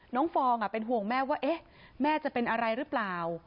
ฟองเป็นห่วงแม่ว่าแม่จะเป็นอะไรหรือเปล่า